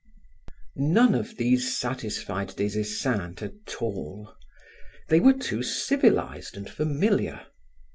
None of these satisfied Des Esseintes at all. They were too civilized and familiar.